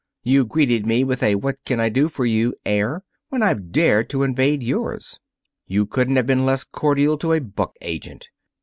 You've greeted me with a what can I do for you air when I've dared to invade yours. You couldn't have been less cordial to a book agent.